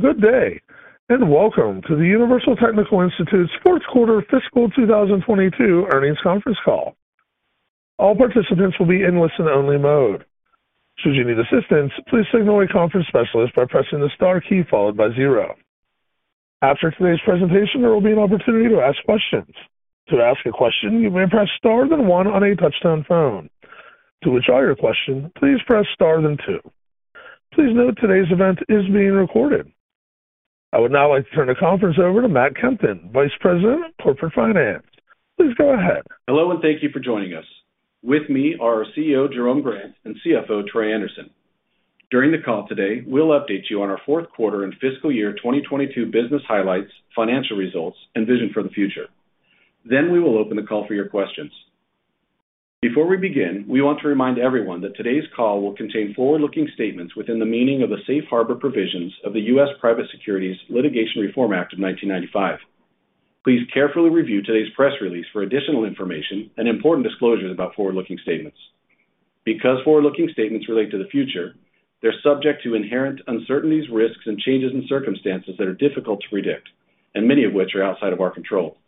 Good day, and Welcome to the Universal Technical Institute's 4th Quarter Fiscal 2022 Earnings Conference Call. All participants will be in listen-only mode. Should you need assistance, please signal a conference specialist by pressing the star key followed by zero. After today's presentation, there will be an opportunity to ask questions. To ask a question, you may press star then one on a touch-tone phone. To withdraw your question, please press star then two. Please note today's event is being recorded. I would now like to turn the conference over to Matt Kempton, Vice President of Corporate Finance. Please go ahead. Hello, and thank you for joining us. With me are our CEO, Jerome Grant, and CFO, Troy Anderson. During the call today, we'll update you on our 4th quarter and fiscal year 2022 business highlights, financial results, and vision for the future. We will open the call for your questions. Before we begin, we want to remind everyone that today's call will contain forward-looking statements within the meaning of the Safe Harbor provisions of the U.S. Private Securities Litigation Reform Act of 1995. Please carefully review today's press release for additional information and important disclosures about forward-looking statements. Because forward-looking statements relate to the future, they're subject to inherent uncertainties, risks, and changes in circumstances that are difficult to predict, and many of which are outside of our control.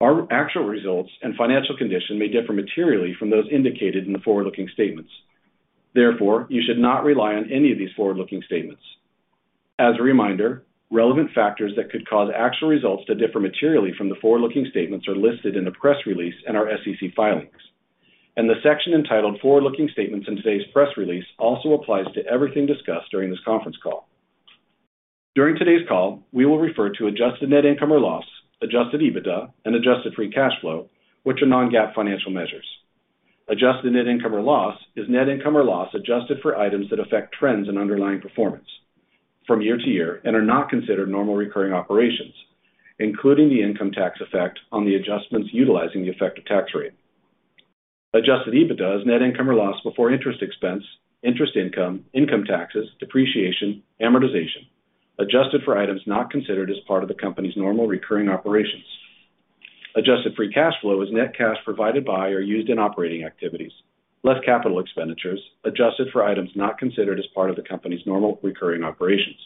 Our actual results and financial condition may differ materially from those indicated in the forward-looking statements. Therefore, you should not rely on any of these forward-looking statements. As a reminder, relevant factors that could cause actual results to differ materially from the forward-looking statements are listed in the press release and our SEC filings. The section entitled Forward-Looking Statements in today's press release also applies to everything discussed during this conference call. During today's call, we will refer to adjusted net income or loss, adjusted EBITDA, and adjusted free cash flow, which are non-GAAP financial measures. Adjusted net income or loss is net income or loss adjusted for items that affect trends and underlying performance from year to year and are not considered normal recurring operations, including the income tax effect on the adjustments utilizing the effective tax rate. Adjusted EBITDA is net income or loss before interest expense, interest income taxes, depreciation, amortization, adjusted for items not considered as part of the company's normal recurring operations. Adjusted free cash flow is net cash provided by or used in operating activities, less capital expenditures, adjusted for items not considered as part of the company's normal recurring operations.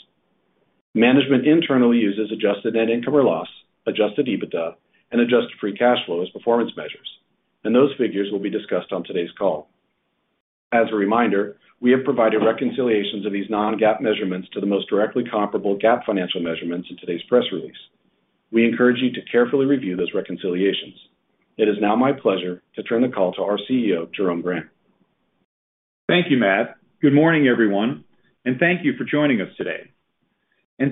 Management internally uses adjusted net income or loss, adjusted EBITDA, and adjusted free cash flow as performance measures, and those figures will be discussed on today's call. As a reminder, we have provided reconciliations of these non-GAAP measurements to the most directly comparable GAAP financial measurements in today's press release. We encourage you to carefully review those reconciliations. It is now my pleasure to turn the call to our CEO, Jerome Grant. Thank you, Matt. Good morning, everyone, and thank you for joining us today.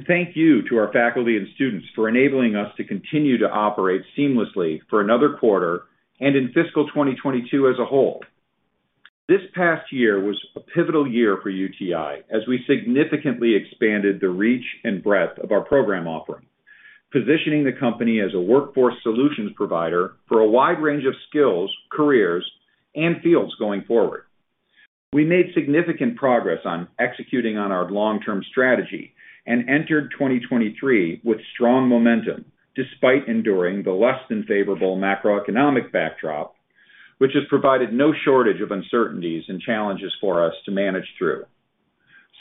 Thank you to our faculty and students for enabling us to continue to operate seamlessly for another quarter and in fiscal 2022 as a whole. This past year was a pivotal year for UTI as we significantly expanded the reach and breadth of our program offering, positioning the company as a workforce solutions provider for a wide range of skills, careers, and fields going forward. We made significant progress on executing on our long-term strategy and entered 2023 with strong momentum despite enduring the less than favorable macroeconomic backdrop, which has provided no shortage of uncertainties and challenges for us to manage through.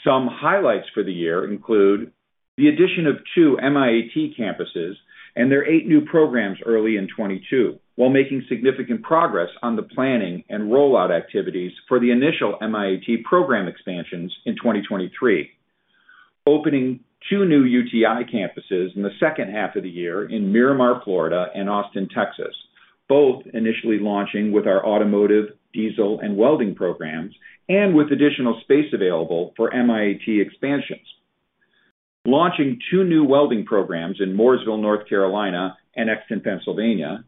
Some highlights for the year include the addition of two MIAT campuses and their eight new programs early in 2022, while making significant progress on the planning and rollout activities for the initial MIAT program expansions in 2023. Opening two new UTI campuses in the 2nd half of the year in Miramar, Florida, and Austin, Texas, both initially launching with our automotive, diesel, and welding programs and with additional space available for MIAT expansions. Launching two new welding programs in Mooresville, North Carolina, and Exton, Pennsylvania.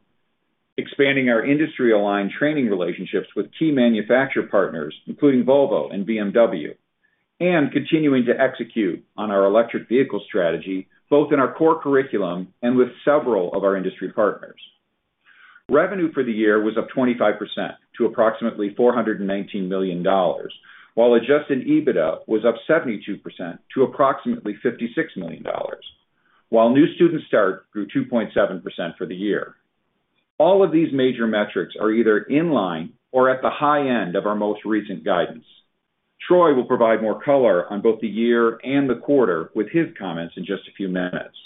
Expanding our industry-aligned training relationships with key manufacturer partners, including Volvo and BMW. Continuing to execute on our electric vehicle strategy, both in our core curriculum and with several of our industry partners. Revenue for the year was up 25% to approximately $419 million, while adjusted EBITDA was up 72% to approximately $56 million. New student start grew 2.7% for the year. All of these major metrics are either in line or at the high end of our most recent guidance. Troy will provide more color on both the year and the quarter with his comments in just a few minutes.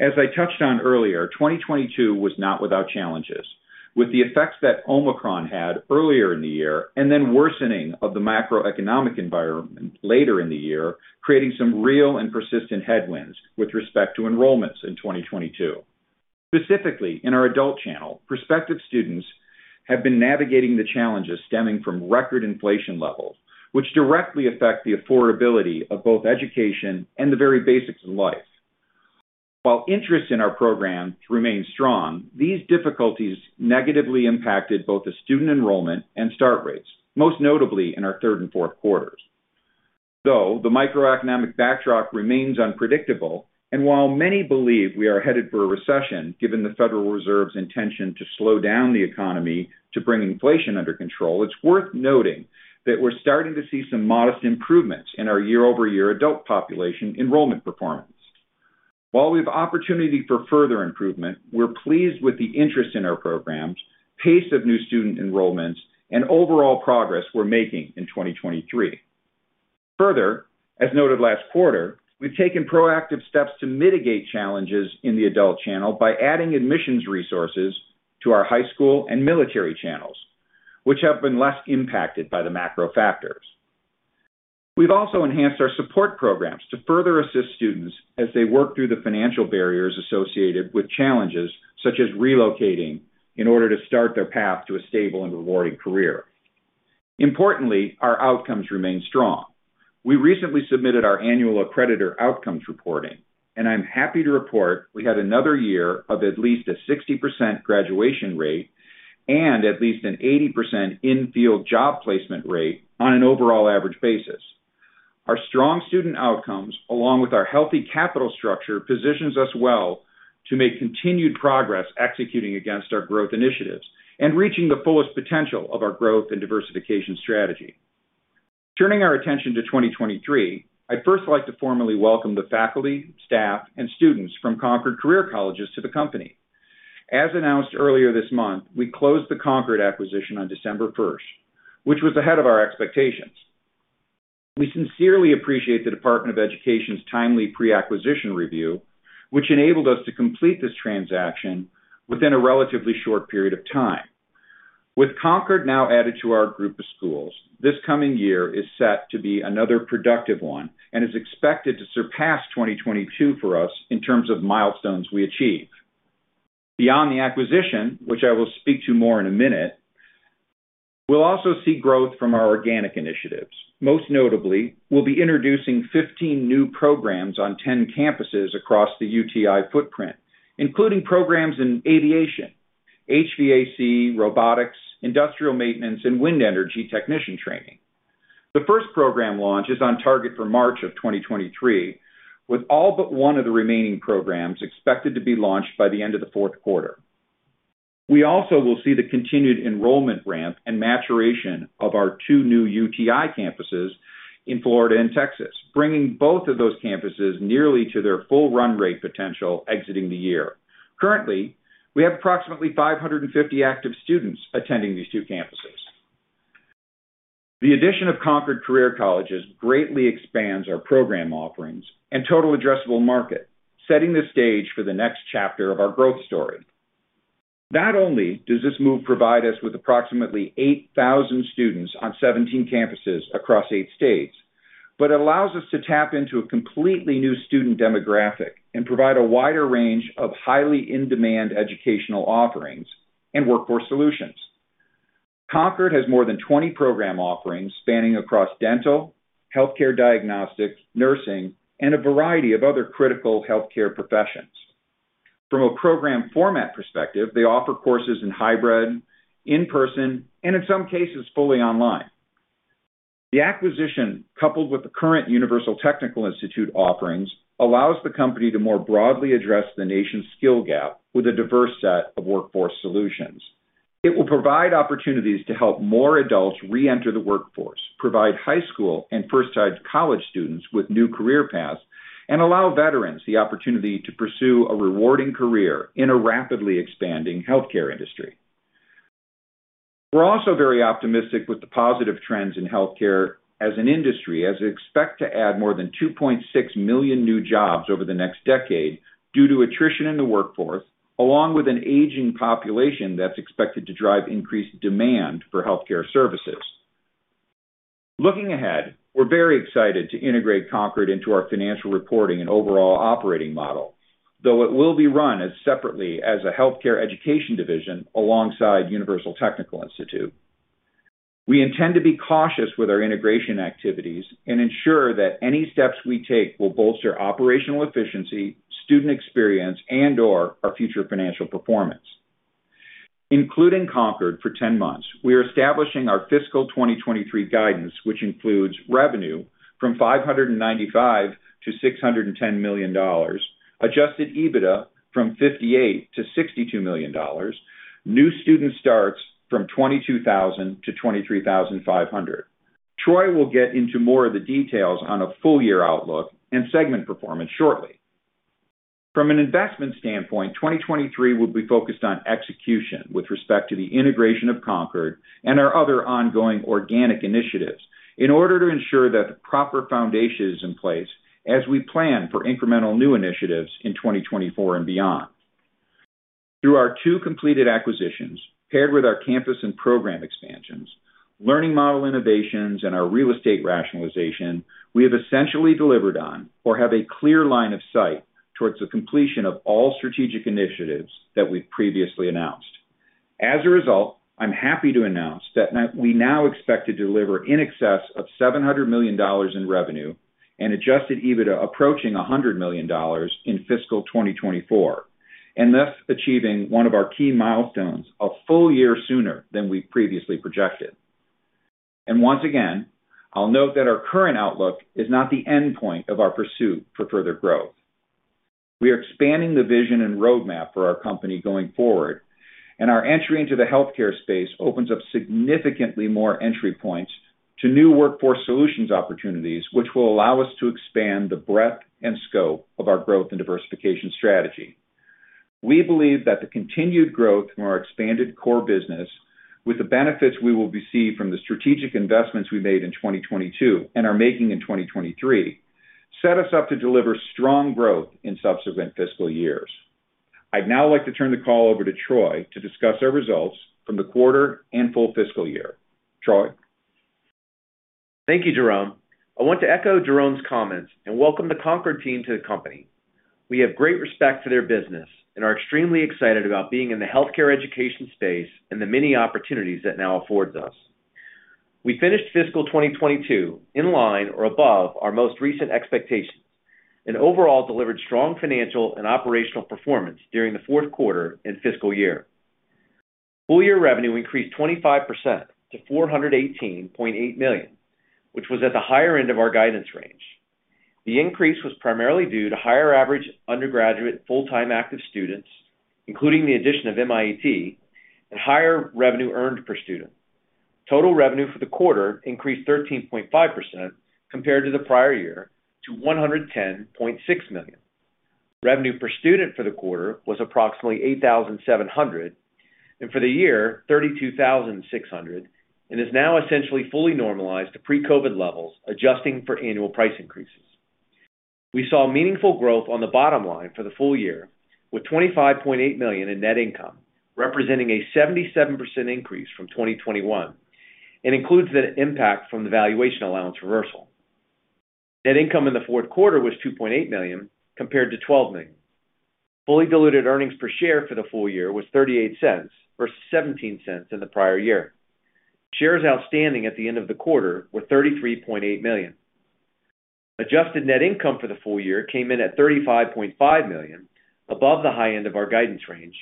I touched on earlier, 2022 was not without challenges, with the effects that Omicron had earlier in the year and then worsening of the macroeconomic environment later in the year, creating some real and persistent headwinds with respect to enrollments in 2022. Specifically, in our adult channel, prospective students have been navigating the challenges stemming from record inflation levels, which directly affect the affordability of both education and the very basics of life. While interest in our programs remains strong, these difficulties negatively impacted both the student enrollment and start rates, most notably in our 3rd and 4th quarters. Though the macroeconomic backdrop remains unpredictable, and while many believe we are headed for a recession, given the Federal Reserve's intention to slow down the economy to bring inflation under control, it's worth noting that we're starting to see some modest improvements in our year-over-year adult population enrollment performance. While we have opportunity for further improvement, we're pleased with the interest in our programs, pace of new student enrollments, and overall progress we're making in 2023. Further, as noted last quarter, we've taken proactive steps to mitigate challenges in the adult channel by adding admissions resources to our high school and military channels, which have been less impacted by the macro factors. We've also enhanced our support programs to further assist students as they work through the financial barriers associated with challenges such as relocating in order to start their path to a stable and rewarding career. Importantly, our outcomes remain strong. We recently submitted our annual accreditor outcomes reporting, and I'm happy to report we had another year of at least a 60% graduation rate and at least an 80% in-field job placement rate on an overall average basis. Our strong student outcomes, along with our healthy capital structure, positions us well to make continued progress executing against our growth initiatives and reaching the fullest potential of our growth and diversification strategy. Turning our attention to 2023, I'd 1st like to formally welcome the faculty, staff, and students from Concorde Career Colleges to the company. As announced earlier this month, we closed the Concorde acquisition on December 1st, which was ahead of our expectations. We sincerely appreciate the Department of Education's timely pre-acquisition review, which enabled us to complete this transaction within a relatively short period of time. With Concord now added to our group of schools, this coming year is set to be another productive one and is expected to surpass 2022 for us in terms of milestones we achieve. Beyond the acquisition, which I will speak to more in a minute, we'll also see growth from our organic initiatives. Most notably, we'll be introducing 15 new programs on 10 campuses across the UTI footprint, including programs in aviation, HVAC, robotics, industrial maintenance, and wind energy technician training. The 1st program launch is on target for March of 2023, with all but one of the remaining programs expected to be launched by the end of the 4th quarter. We also will see the continued enrollment ramp and maturation of our two new UTI campuses in Florida and Texas, bringing both of those campuses nearly to their full run rate potential exiting the year. Currently, we have approximately 550 active students attending these two campuses. The addition of Concorde Career Colleges greatly expands our program offerings and total addressable market, setting the stage for the next chapter of our growth story. Not only does this move provide us with approximately 8,000 students on 17 campuses across eight states, but allows us to tap into a completely new student demographic and provide a wider range of highly in-demand educational offerings and workforce solutions. Concorde has more than 20 program offerings spanning across dental, healthcare diagnostics, nursing, and a variety of other critical healthcare professions. From a program format perspective, they offer courses in hybrid, in-person, and in some cases, fully online. The acquisition, coupled with the current Universal Technical Institute offerings, allows the company to more broadly address the nation's skill gap with a diverse set of workforce solutions. It will provide opportunities to help more adults reenter the workforce, provide high school and 1st-time college students with new career paths, and allow veterans the opportunity to pursue a rewarding career in a rapidly expanding healthcare industry. We're also very optimistic with the positive trends in healthcare as an industry, as it's expected to add more than 2.6 million new jobs over the next decade due to attrition in the workforce, along with an aging population that's expected to drive increased demand for healthcare services. Looking ahead, we're very excited to integrate Concorde into our financial reporting and overall operating model, though it will be run as separately as a healthcare education division alongside Universal Technical Institute. We intend to be cautious with our integration activities and ensure that any steps we take will bolster operational efficiency, student experience, and/or our future financial performance. Including Concord for 10 months, we are establishing our fiscal 2023 guidance, which includes revenue from $595 million-$610 million, adjusted EBITDA from $58 million-$62 million, new student starts from 22,000-23,500. Troy will get into more of the details on a full year outlook and segment performance shortly. From an investment standpoint, 2023 will be focused on execution with respect to the integration of Concord and our other ongoing organic initiatives in order to ensure that the proper foundation is in place as we plan for incremental new initiatives in 2024 and beyond. Through our two completed acquisitions, paired with our campus and program expansions, learning model innovations, and our real estate rationalization, we have essentially delivered on or have a clear line of sight towards the completion of all strategic initiatives that we've previously announced. As a result, I'm happy to announce that we now expect to deliver in excess of $700 million in revenue and adjusted EBITDA approaching $100 million in fiscal 2024, and thus achieving one of our key milestones a full year sooner than we previously projected. Once again, I'll note that our current outlook is not the endpoint of our pursuit for further growth. We are expanding the vision and roadmap for our company going forward. Our entry into the healthcare space opens up significantly more entry points to new workforce solutions opportunities, which will allow us to expand the breadth and scope of our growth and diversification strategy. We believe that the continued growth from our expanded core business with the benefits we will receive from the strategic investments we made in 2022 and are making in 2023 set us up to deliver strong growth in subsequent fiscal years. I'd now like to turn the call over to Troy to discuss our results from the quarter and full fiscal year. Troy? Thank you, Jerome. I want to echo Jerome's comments and welcome the Concorde team to the company. We have great respect for their business and are extremely excited about being in the healthcare education space and the many opportunities that now affords us. We finished fiscal 2022 in line or above our most recent expectations, and overall delivered strong financial and operational performance during the 4th quarter and fiscal year. Full year revenue increased 25% to $418.8 million, which was at the higher end of our guidance range. The increase was primarily due to higher average undergraduate full-time active students, including the addition of MIAT, and higher revenue earned per student. Total revenue for the quarter increased 13.5% compared to the prior year to $110.6 million. Revenue per student for the quarter was approximately $8,700, and for the year, $32,600, and is now essentially fully normalized to pre-COVID levels, adjusting for annual price increases. We saw meaningful growth on the bottom line for the full year with $25.8 million in net income, representing a 77% increase from 2021, and includes the impact from the valuation allowance reversal. Net income in the 4th quarter was $2.8 million compared to $12 million. Fully diluted earnings per share for the full year was $0.38 versus $0.17 in the prior year. Shares outstanding at the end of the quarter were $33.8 million. Adjusted net income for the full year came in at $35.5 million, above the high end of our guidance range.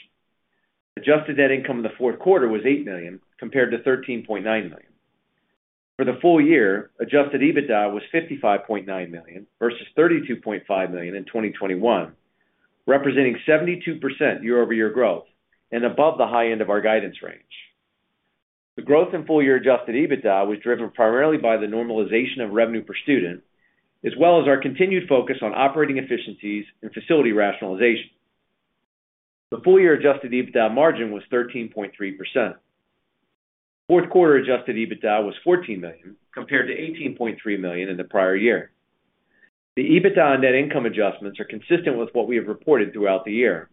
Adjusted net income in the 4th quarter was $8 million compared to $13.9 million. For the full year, adjusted EBITDA was $55.9 million versus $32.5 million in 2021, representing 72% year-over-year growth and above the high end of our guidance range. The growth in full year adjusted EBITDA was driven primarily by the normalization of revenue per student, as well as our continued focus on operating efficiencies and facility rationalization. The full year adjusted EBITDA margin was 13.3%. Fourth quarter adjusted EBITDA was $14 million compared to $18.3 million in the prior year. The EBITDA and net income adjustments are consistent with what we have reported throughout the year.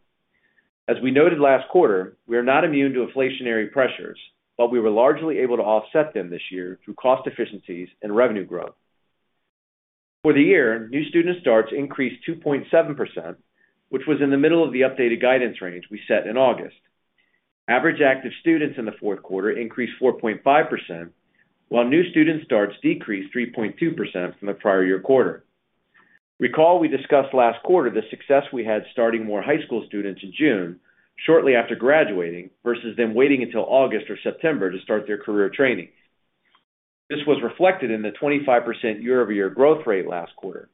As we noted last quarter, we are not immune to inflationary pressures, but we were largely able to offset them this year through cost efficiencies and revenue growth. For the year, new student starts increased 2.7%, which was in the middle of the updated guidance range we set in August. Average active students in the 4th quarter increased 4.5%, while new student starts decreased 3.2% from the prior year quarter. Recall we discussed last quarter the success we had starting more high school students in June, shortly after graduating, versus them waiting until August or September to start their career training. This was reflected in the 25% year-over-year growth rate last quarter.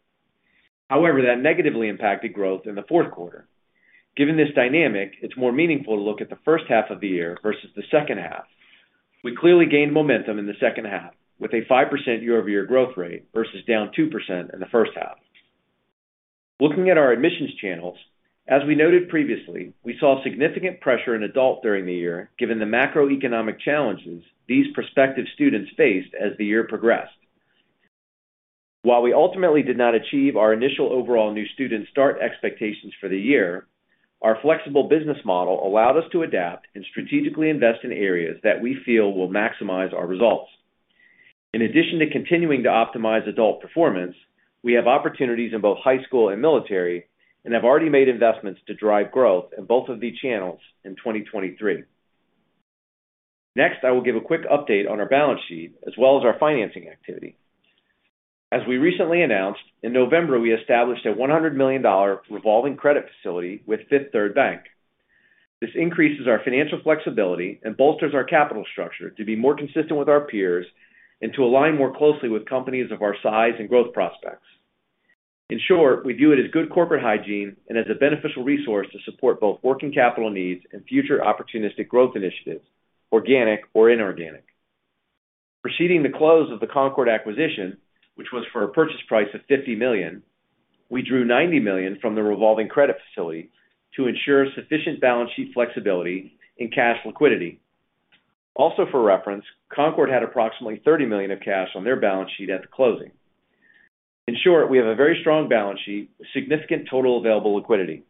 That negatively impacted growth in the 4th quarter. Given this dynamic, it's more meaningful to look at the 1st half of the year versus the 2nd half. We clearly gained momentum in the 2nd half with a 5% year-over-year growth rate versus down 2% in the 1st half. Looking at our admissions channels, as we noted previously, we saw significant pressure in adult during the year, given the macroeconomic challenges these prospective students faced as the year progressed. While we ultimately did not achieve our initial overall new student start expectations for the year, our flexible business model allowed us to adapt and strategically invest in areas that we feel will maximize our results. In addition to continuing to optimize adult performance, we have opportunities in both high school and military and have already made investments to drive growth in both of these channels in 2023. Next, I will give a quick update on our balance sheet as well as our financing activity. We recently announced, in November, we established a $100 million revolving credit facility with Fifth Third Bank. This increases our financial flexibility and bolsters our capital structure to be more consistent with our peers and to align more closely with companies of our size and growth prospects. In short, we view it as good corporate hygiene and as a beneficial resource to support both working capital needs and future opportunistic growth initiatives, organic or inorganic. Proceeding the close of the Concorde acquisition, which was for a purchase price of $50 million, we drew $90 million from the revolving credit facility to ensure sufficient balance sheet flexibility and cash liquidity. Also for reference, Concorde had approximately $30 million of cash on their balance sheet at the closing. In short, we have a very strong balance sheet with significant total available liquidity.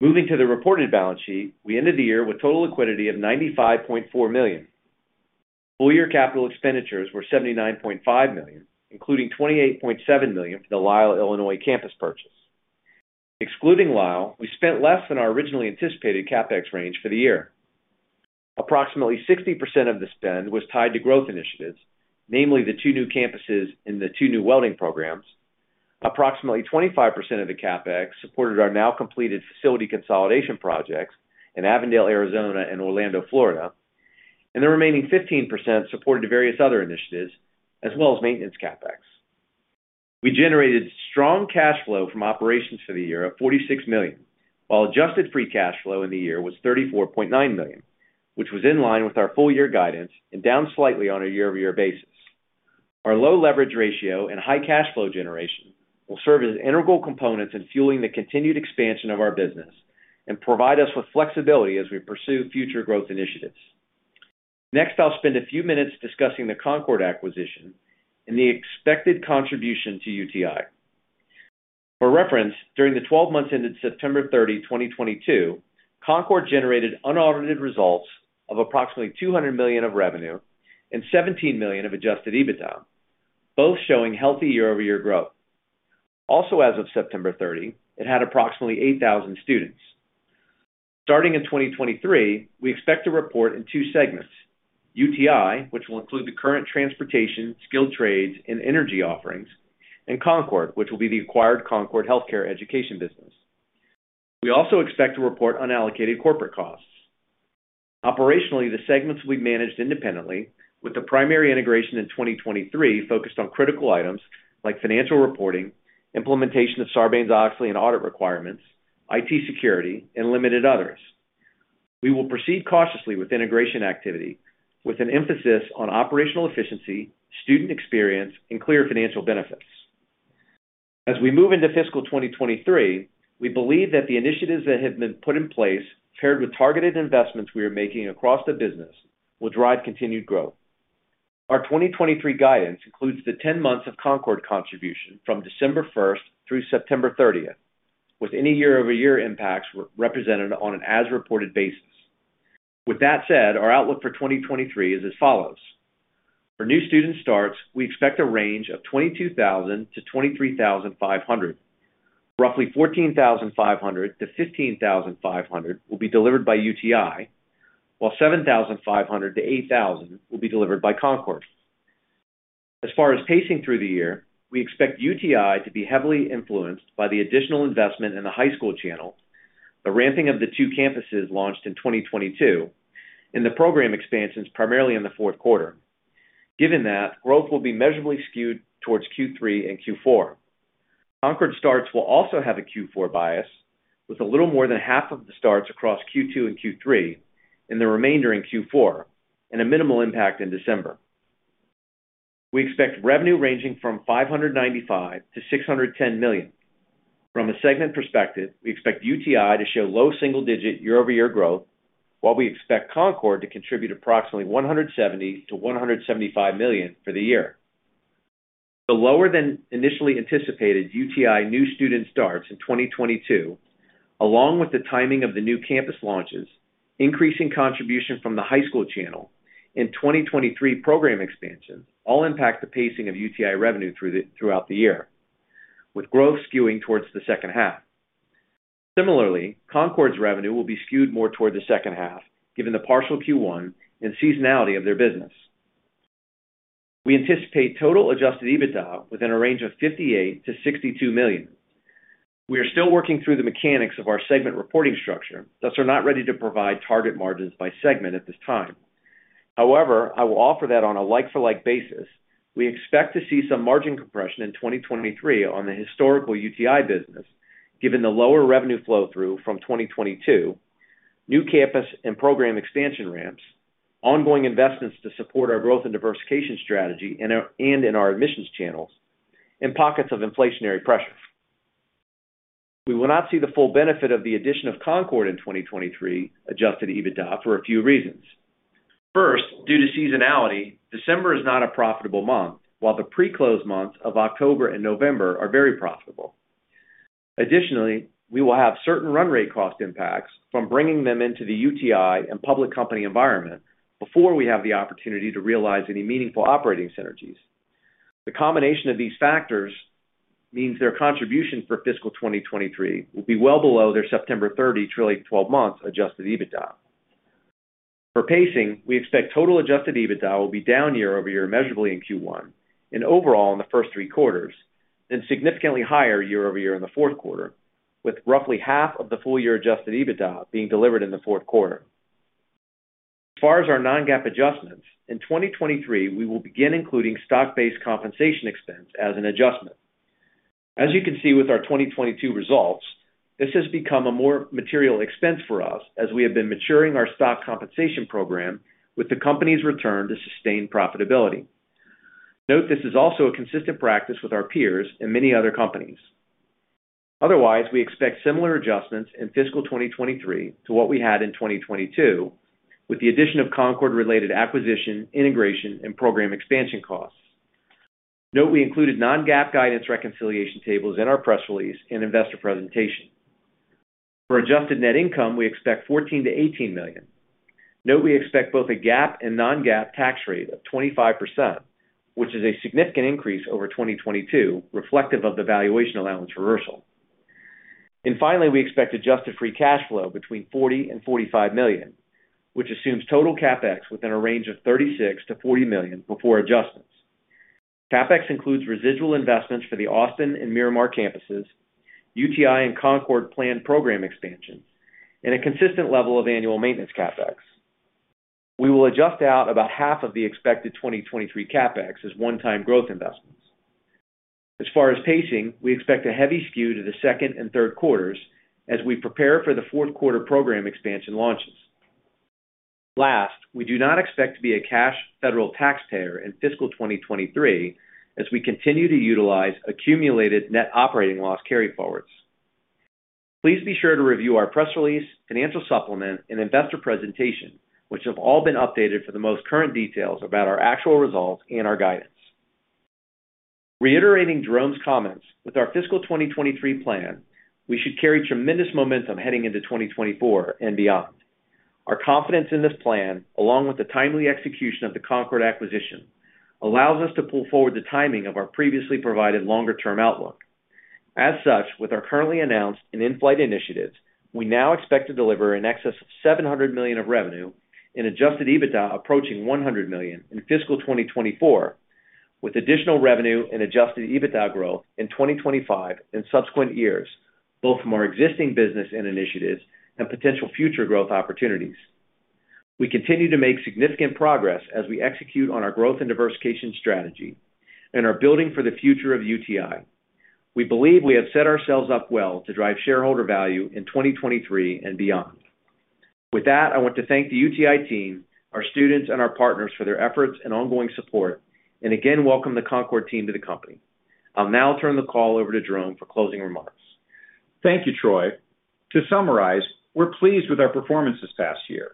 Moving to the reported balance sheet, we ended the year with total liquidity of $95.4 million. Full year capital expenditures were $79.5 million, including $28.7 million for the Lisle, Illinois campus purchase. Excluding Lisle, we spent less than our originally anticipated CapEx range for the year. Approximately 60% of the spend was tied to growth initiatives, namely the two new campuses and the two new welding programs. Approximately 25% of the CapEx supported our now completed facility consolidation projects in Avondale, Arizona and Orlando, Florida. The remaining 15% supported various other initiatives as well as maintenance CapEx. We generated strong cash flow from operations for the year of $46 million, while adjusted free cash flow in the year was $34.9 million, which was in line with our full year guidance and down slightly on a year-over-year basis. Our low leverage ratio and high cash flow generation will serve as integral components in fueling the continued expansion of our business and provide us with flexibility as we pursue future growth initiatives. I'll spend a few minutes discussing the Concorde acquisition and the expected contribution to UTI. For reference, during the 12 months ended September 30, 2022, Concorde generated unaudited results of approximately $200 million of revenue and $17 million of adjusted EBITDA, both showing healthy year-over-year growth. As of September 30, it had approximately 8,000 students. Starting in 2023, we expect to report in two segments, UTI, which will include the current transportation, skilled trades, and energy offerings, and Concorde, which will be the acquired Concorde Healthcare education business. We also expect to report unallocated corporate costs. Operationally, the segments will be managed independently with the primary integration in 2023 focused on critical items like financial reporting, implementation of Sarbanes-Oxley and audit requirements, IT security, and limited others. We will proceed cautiously with integration activity with an emphasis on operational efficiency, student experience, and clear financial benefits. As we move into fiscal 2023, we believe that the initiatives that have been put in place, paired with targeted investments we are making across the business, will drive continued growth. Our 2023 guidance includes the 10 months of Concorde contribution from December 1st through September 30th, with any year-over-year impacts re-represented on an as-reported basis. With that said, our outlook for 2023 is as follows. For new student starts, we expect a range of 22,000-23,500. Roughly 14,500-15,500 will be delivered by UTI, while 7,500-8,000 will be delivered by Concorde. As far as pacing through the year, we expect UTI to be heavily influenced by the additional investment in the high school channel, the ramping of the two campuses launched in 2022, and the program expansions primarily in the 4th quarter. Given that, growth will be measurably skewed towards Q3 and Q4. Concorde starts will also have a Q4 bias, with a little more than half of the starts across Q2 and Q3 and the remainder in Q4, and a minimal impact in December. We expect revenue ranging from $595 million-$610 million. From a segment perspective, we expect UTI to show low single digit year-over-year growth, while we expect Concorde to contribute approximately $170 million-$175 million for the year. The lower than initially anticipated UTI new student starts in 2022, along with the timing of the new campus launches, increasing contribution from the high school channel in 2023 program expansions all impact the pacing of UTI revenue throughout the year, with growth skewing towards the 2nd half. Similarly, Concorde's revenue will be skewed more toward the 2nd half, given the partial Q1 and seasonality of their business. We anticipate total adjusted EBITDA within a range of $58 million-$62 million. We are still working through the mechanics of our segment reporting structure, thus are not ready to provide target margins by segment at this time. I will offer that on a like-for-like basis. We expect to see some margin compression in 2023 on the historical UTI business, given the lower revenue flow through from 2022, new campus and program expansion ramps, ongoing investments to support our growth and diversification strategy in our, and in our admissions channels, and pockets of inflationary pressures. We will not see the full benefit of the addition of Concorde in 2023 adjusted EBITDA for a few reasons. First, due to seasonality, December is not a profitable month, while the pre-close months of October and November are very profitable. We will have certain run rate cost impacts from bringing them into the UTI and public company environment before we have the opportunity to realize any meaningful operating synergies. The combination of these factors means their contribution for fiscal 2023 will be well below their September 30 trailing 12 month adjusted EBITDA. For pacing, we expect total adjusted EBITDA will be down year-over-year measurably in Q1 and overall in the 1st three quarters, and significantly higher year-over-year in the 4th quarter, with roughly half of the full year adjusted EBITDA being delivered in the 4th quarter. As far as our non-GAAP adjustments, in 2023, we will begin including stock-based compensation expense as an adjustment. As you can see with our 2022 results, this has become a more material expense for us as we have been maturing our stock compensation program with the company's return to sustained profitability. Note this is also a consistent practice with our peers and many other companies. Otherwise, we expect similar adjustments in fiscal 2023 to what we had in 2022, with the addition of Concorde-related acquisition, integration, and program expansion costs. Note we included non-GAAP guidance reconciliation tables in our press release and investor presentation. For adjusted net income, we expect $14 million-$18 million. Note we expect both a GAAP and non-GAAP tax rate of 25%, which is a significant increase over 2022 reflective of the valuation allowance reversal. Finally, we expect adjusted free cash flow between $40 million and $45 million, which assumes total CapEx within a range of $36 million-$40 million before adjustments. CapEx includes residual investments for the Austin and Miramar campuses, UTI and Concorde planned program expansions, and a consistent level of annual maintenance CapEx. We will adjust out about half of the expected 2023 CapEx as one-time growth investments. As far as pacing, we expect a heavy skew to the 2nd and 3rd quarters as we prepare for the 4th quarter program expansion launches. Last, we do not expect to be a cash federal taxpayer in fiscal 2023 as we continue to utilize accumulated net operating loss carryforwards. Please be sure to review our press release, financial supplement, and investor presentation, which have all been updated for the most current details about our actual results and our guidance. Reiterating Jerome's comments, with our fiscal 2023 plan, we should carry tremendous momentum heading into 2024 and beyond. Our confidence in this plan, along with the timely execution of the Concorde acquisition, allows us to pull forward the timing of our previously provided longer-term outlook. As such, with our currently announced and in-flight initiatives, we now expect to deliver in excess of $700 million of revenue and adjusted EBITDA approaching $100 million in fiscal 2024, with additional revenue and adjusted EBITDA growth in 2025 and subsequent years, both from our existing business and initiatives and potential future growth opportunities. We continue to make significant progress as we execute on our growth and diversification strategy and are building for the future of UTI. We believe we have set ourselves up well to drive shareholder value in 2023 and beyond. With that, I want to thank the UTI team, our students, and our partners for their efforts and ongoing support, and again, welcome the Concorde team to the company. I'll now turn the call over to Jerome for closing remarks. Thank you, Troy. To summarize, we're pleased with our performance this past year.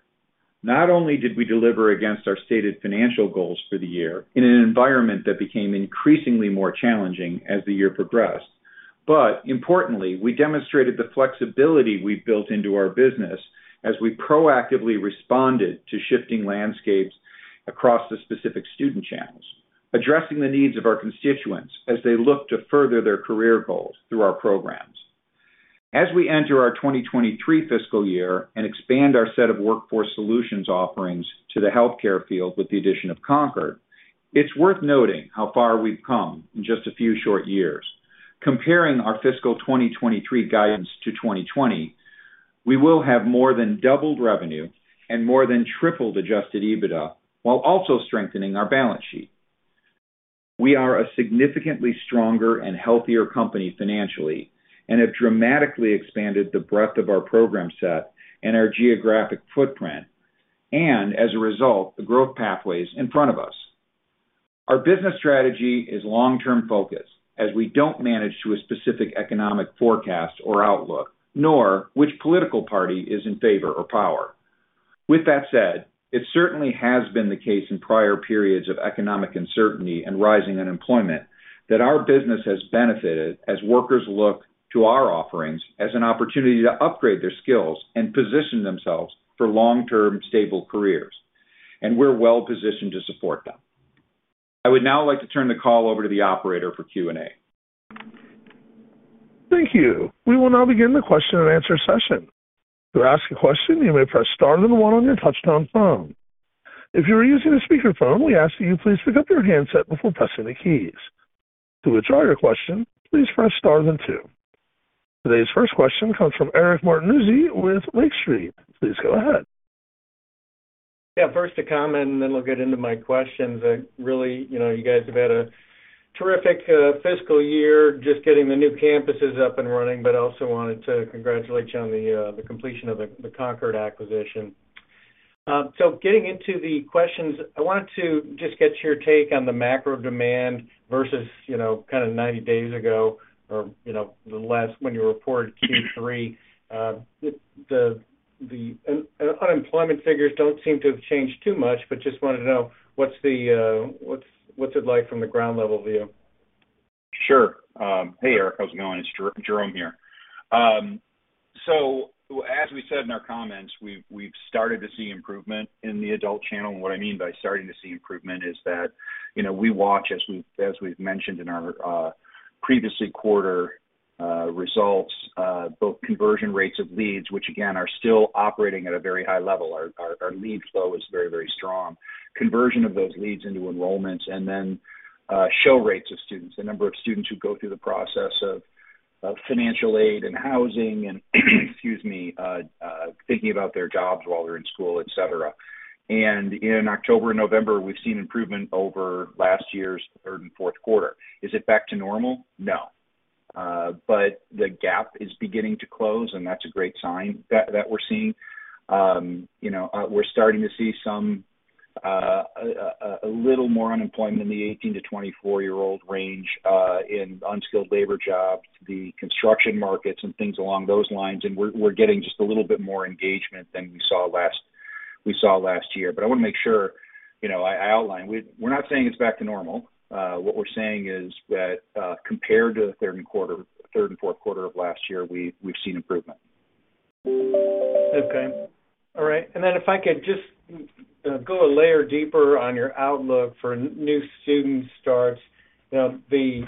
Not only did we deliver against our stated financial goals for the year in an environment that became increasingly more challenging as the year progressed, importantly, we demonstrated the flexibility we've built into our business as we proactively responded to shifting landscapes across the specific student channels, addressing the needs of our constituents as they look to further their career goals through our programs. As we enter our 2023 fiscal year and expand our set of workforce solutions offerings to the healthcare field with the addition of Concorde, it's worth noting how far we've come in just a few short years. Comparing our fiscal 2023 guidance to 2020, we will have more than doubled revenue and more than tripled adjusted EBITDA while also strengthening our balance sheet. We are a significantly stronger and healthier company financially and have dramatically expanded the breadth of our program set and our geographic footprint, and as a result, the growth pathways in front of us. Our business strategy is long-term focused, as we don't manage to a specific economic forecast or outlook, nor which political party is in favor or power. With that said, it certainly has been the case in prior periods of economic uncertainty and rising unemployment that our business has benefited as workers look to our offerings as an opportunity to upgrade their skills and position themselves for long-term, stable careers, and we're well positioned to support them. I would now like to turn the call over to the operator for Q&A. Thank you. We will now begin the question-and-answer session. To ask a question, you may press star then the one on your touchtone phone. If you are using a speakerphone, we ask that you please pick up your handset before pressing the keys. To withdraw your question, please press star then two. Today's 1st question comes from Eric Martinuzzi with Lake Street. Please go ahead. Yeah. First, a comment, and then we'll get into my questions. Really, you know, you guys have had a terrific fiscal year just getting the new campuses up and running, but also wanted to congratulate you on the completion of the Concorde acquisition. Getting into the questions, I wanted to just get your take on the macro demand versus, you know, kinda 90 days ago or, you know, the last when you reported Q3. The unemployment figures don't seem to have changed too much, but just wanted to know what's the, what's it like from the ground level view? Sure. Hey, Eric, how's it going? It's Jerome here. So as we said in our comments, we've started to see improvement in the adult channel. And what I mean by starting to see improvement is that, you know, we watch, as we've mentioned in our previous quarter results, both conversion rates of leads, which again are still operating at a very high level. Our lead flow is very, very strong. Conversion of those leads into enrollments and then show rates of students, the number of students who go through the process of financial aid and housing and, excuse me, thinking about their jobs while they're in school, et cetera. In October and November, we've seen improvement over last year's 3rd and 4th quarter. Is it back to normal? No. The gap is beginning to close, and that's a great sign that we're seeing. You know, we're starting to see some a little more unemployment in the 18-24 year old range, in unskilled labor jobs, the construction markets, and things along those lines, and we're getting just a little bit more engagement than we saw last year. I wanna make sure, you know, I outlined, we're not saying it's back to normal. What we're saying is that, compared to the 3rd and 4th quarter of last year, we've seen improvement. Okay. All right. If I could just go a layer deeper on your outlook for new student starts. You know, the,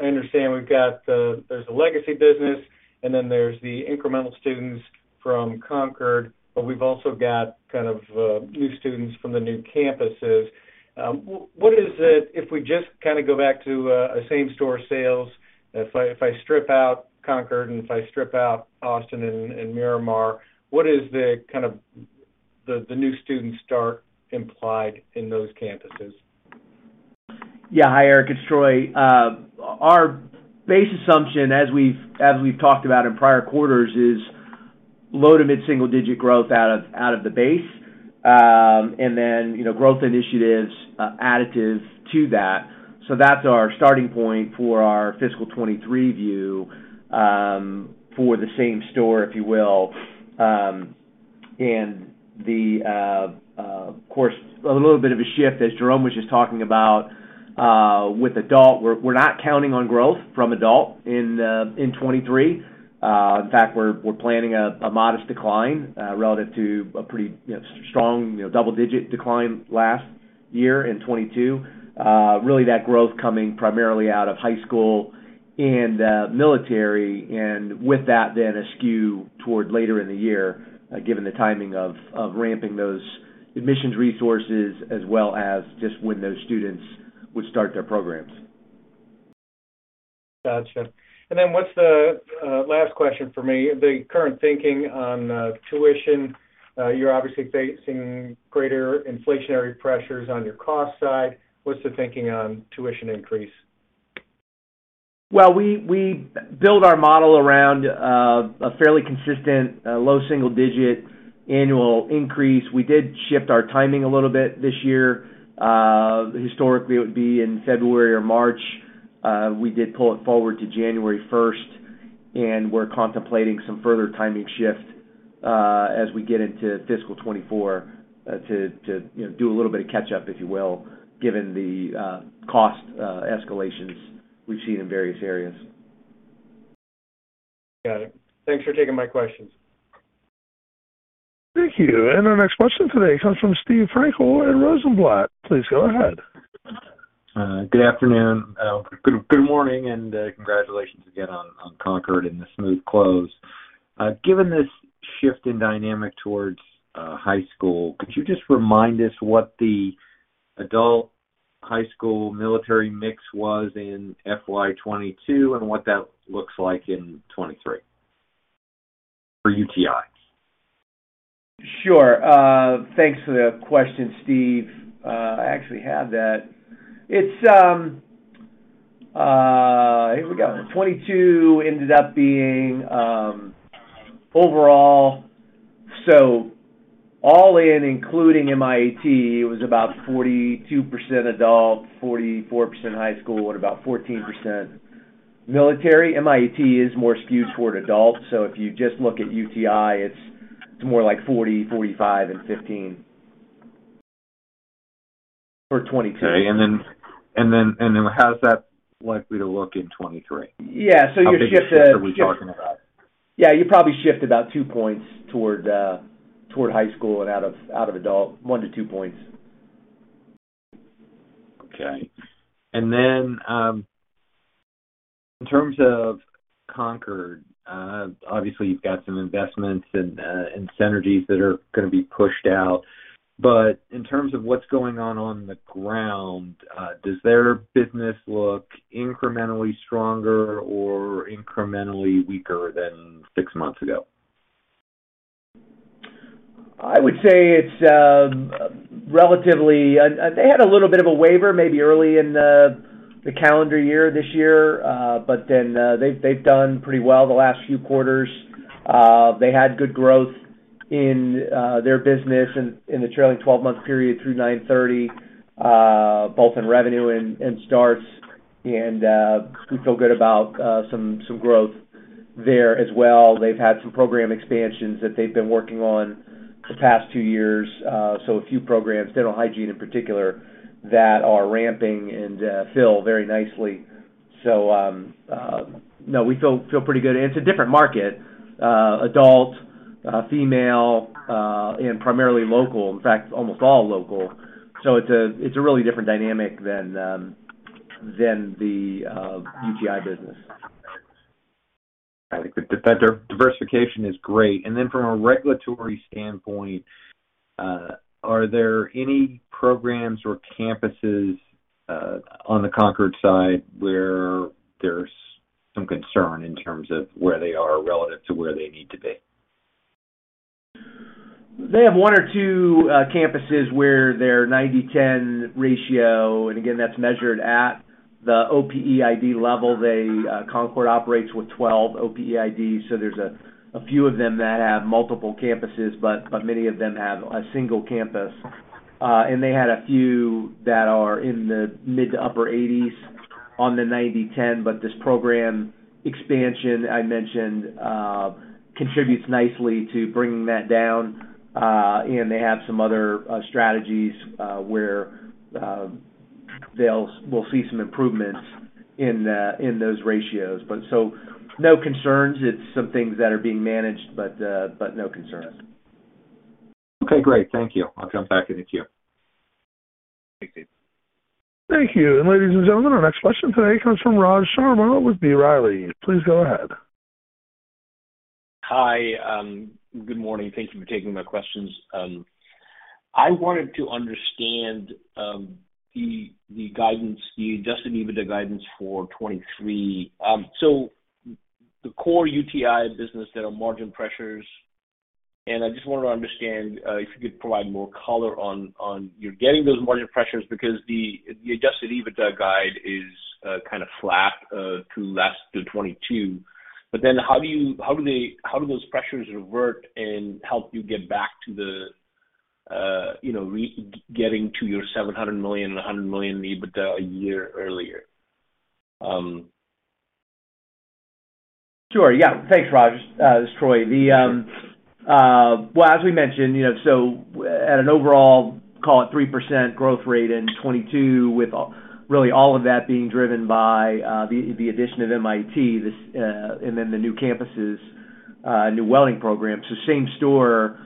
I understand we've got, there's a legacy business, and then there's the incremental students from Concorde, but we've also got kind of, new students from the new campuses. What is it if we just kinda go back to, a same-store sales, if I, if I strip out Concorde and if I strip out Austin and Miramar, what is the kind of the new student start implied in those campuses? Yeah. Hi, Eric, it's Troy. Our base assumption, as we've talked about in prior quarters, is low to mid-single digit growth out of the base. You know, growth initiatives additive to that. That's our starting point for our fiscal 2023 view for the same store, if you will. And the of course, a little bit of a shift as Jerome was just talking about with adult. We're not counting on growth from adult in 2023. In fact, we're planning a modest decline relative to a pretty, you know, strong, you know, double-digit decline last year in 2022. Really that growth coming primarily out of high school and military, and with that then askew toward later in the year, given the timing of ramping those admissions resources, as well as just when those students would start their programs. Gotcha. Then what's the last question for me, the current thinking on tuition? You're obviously facing greater inflationary pressures on your cost side. What's the thinking on tuition increase? Well, we build our model around a fairly consistent low single digit annual increase. We did shift our timing a little bit this year. Historically, it would be in February or March. We did pull it forward to January 1st, and we're contemplating some further timing shift, as we get into fiscal 2024, you know, do a little bit of catch-up, if you will, given the cost escalations we've seen in various areas. Got it. Thanks for taking my questions. Thank you. Our next question today comes from Steve Frankel in Rosenblatt. Please go ahead. Good afternoon, good morning, congratulations again on Concorde and the smooth close. Given this shift in dynamic towards high school, could you just remind us what the adult high school military mix was in FY22 and what that looks like in 2023 for UTI? Sure. Thanks for the question, Steve. I actually have that. It's, here we go. 2022 ended up being overall. All in, including MIAT, it was about 42% adult, 44% high school, and about 14% military. MIAT is more skewed toward adult. If you just look at UTI, it's more like 40%, 45%, and 15% for 2022. Okay. how's that likely to look in 2023? Yeah. you shift. How big a shift are we talking about? Yeah, you probably shift about two points toward high school and out of adult, one to two points. Okay. In terms of Concorde, obviously you've got some investments and synergies that are going to be pushed out. In terms of what's going on on the ground, does their business look incrementally stronger or incrementally weaker than six months ago? I would say it's relatively. They had a little bit of a waiver maybe early in the calendar year this year. They've done pretty well the last few quarters. They had good growth in their business in the trailing 12 month period through 9:30, both in revenue and starts, and we feel good about some growth there as well. They've had some program expansions that they've been working on the past two years, so a few programs, dental hygiene in particular, that are ramping and fill very nicely. No, we feel pretty good. It's a different market, adult female, and primarily local, in fact, almost all local. It's a really different dynamic than the UTI business. I think the diversification is great. Then from a regulatory standpoint, are there any programs or campuses on the Concorde side where there's some concern in terms of where they are relative to where they need to be? They have one or two campuses where their 90:10 ratio, and again, that's measured at the OPID level. They, Concorde operates with 12 OPIDs, so there's a few of them that have multiple campuses, but many of them have a single campus. They had a few that are in the mid to upper 80s on the 90:10, but this program expansion I mentioned contributes nicely to bringing that down. They have some other strategies where we'll see some improvements in those ratios. No concerns. It's some things that are being managed, but no concerns. Okay, great. Thank you. I'll come back in the queue. Thanks, Steve. Thank you. Ladies and gentlemen, our next question today comes from Raj Sharma with B. Riley. Please go ahead. Hi. good morning. Thank you for taking my questions. I wanted to understand the guidance, the adjusted EBITDA guidance for 2023. The core UTI business that are margin pressures. I just wanna understand if you could provide more color on you're getting those margin pressures because the adjusted EBITDA guide is kind of flat to 2022. How do those pressures revert and help you get back to the, you know, getting to your $700 million and $100 million in EBITDA a year earlier? Sure. Yeah. Thanks, Raj. This is Troy. Well, as we mentioned, you know, at an overall call it 3% growth rate in 2022 with all, really all of that being driven by the addition of MIAT this, and then the new campuses, new welding program. Same store,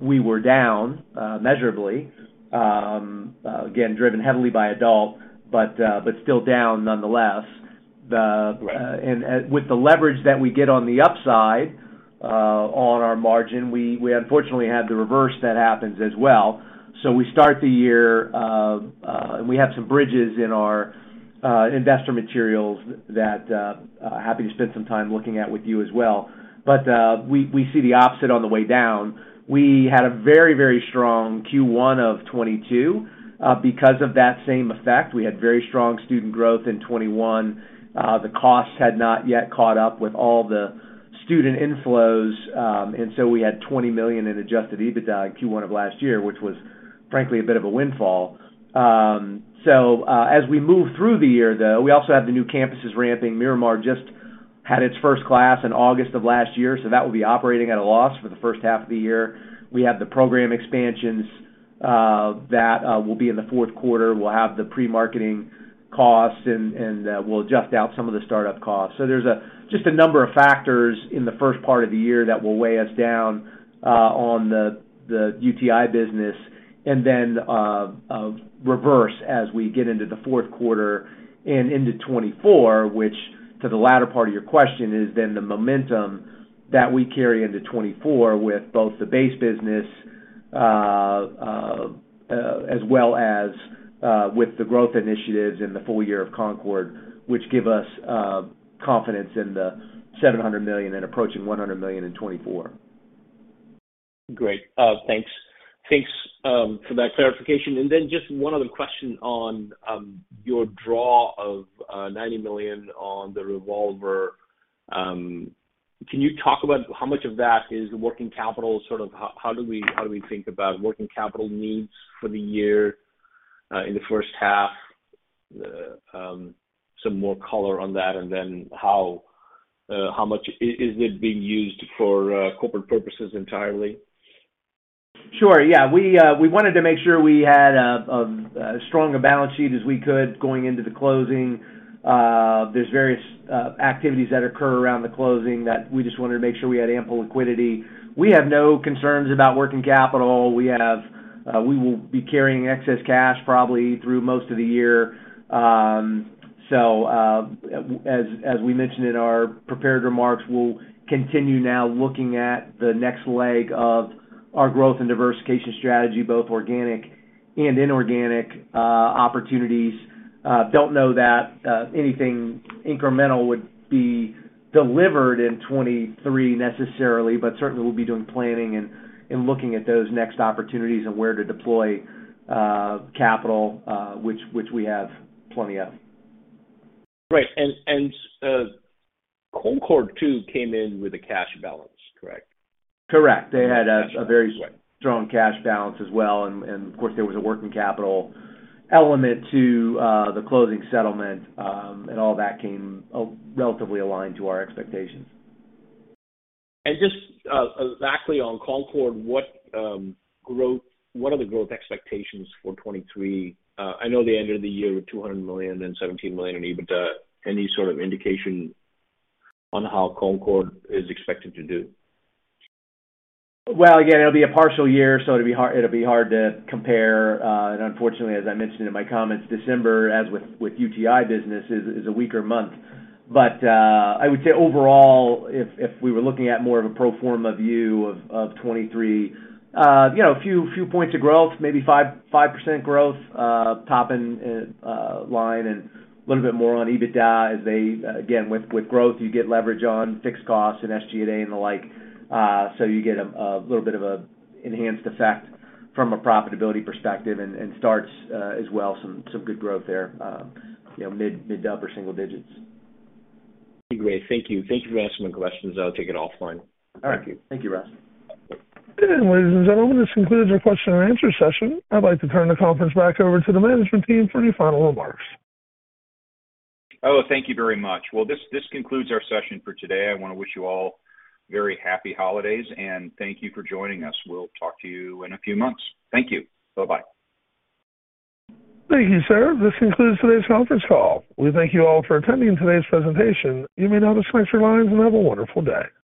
we were down measurably, again, driven heavily by adult, but still down nonetheless. And with the leverage that we get on the upside, on our margin, we unfortunately had the reverse that happens as well. We start the year, and we have some bridges in our investor materials that happy to spend some time looking at with you as well. We see the opposite on the way down. We had a very, very strong Q1 of 2022 because of that same effect. We had very strong student growth in 2021. The costs had not yet caught up with all the student inflows, we had $20 million in adjusted EBITDA in Q1 of last year, which was frankly a bit of a windfall. As we move through the year, though, we also have the new campuses ramping. Miramar just had its 1st class in August of last year, that will be operating at a loss for the 1st half of the year. We have the program expansions that will be in the 4th quarter. We'll have the pre-marketing costs and we'll adjust out some of the startup costs. There's just a number of factors in the 1st part of the year that will weigh us down on the UTI business and then reverse as we get into the 4th quarter and into 2024, which to the latter part of your question is then the momentum that we carry into 2024 with both the base business as well as with the growth initiatives in the full year of Concorde, which give us confidence in the $700 million and approaching $100 million in 2024. Great. Thanks. Thanks for that clarification. Just one other question on your draw of $90 million on the revolver. Can you talk about how much of that is working capital? Sort of how do we think about working capital needs for the year in the 1st half? Some more color on that, and then how much is it being used for corporate purposes entirely? Sure. Yeah. We wanted to make sure we had as strong a balance sheet as we could going into the closing. There's various activities that occur around the closing that we just wanted to make sure we had ample liquidity. We have, we will be carrying excess cash probably through most of the year. As we mentioned in our prepared remarks, we'll continue now looking at the next leg of our growth and diversification strategy, both organic and inorganic opportunities. Don't know that anything incremental would be delivered in 2023 necessarily, but certainly we'll be doing planning and looking at those next opportunities on where to deploy capital, which we have plenty of. Right. Concorde too came in with a cash balance, correct? Correct. They had a very strong cash balance as well. Of course, there was a working capital element to the closing settlement, and all that came relatively aligned to our expectations. Just, actually on Concorde, what are the growth expectations for 2023? I know they ended the year with $200 million, then $17 million in EBITDA. Any sort of indication on how Concorde is expected to do? Well, again, it'll be a partial year, so it'll be hard to compare. Unfortunately, as I mentioned in my comments, December, as with UTI business is a weaker month. I would say overall if we were looking at more of a pro forma view of 2023, you know, a few points of growth, maybe 5% growth, top line and a little bit more on EBITDA as they again, with growth, you get leverage on fixed costs and SG&A and the like. You get a little bit of an enhanced effect from a profitability perspective and starts as well, some good growth there, you know, mid to upper single digits. Great. Thank you. Thank you for answering my questions. I'll take it offline. All right. Thank you, Raj. Ladies and gentlemen, this concludes our question and answer session. I'd like to turn the conference back over to the management team for any final remarks. Oh, thank you very much. Well, this concludes our session for today. I wanna wish you all very happy holidays, and thank you for joining us. We'll talk to you in a few months. Thank you. Bye-bye. Thank you, sir. This concludes today's conference call. We thank you all for attending today's presentation. You may now disconnect your lines and have a wonderful day.